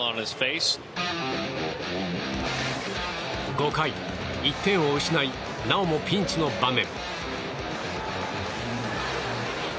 ５回、１点を失いなおもピンチの場面。